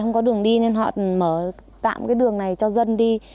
không có đường đi nên họ mở tạm cái đường này cho dân đi